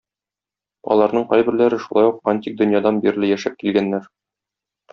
Аларның кайберләре шулай ук антик дөньядан бирле яшәп килгәннәр.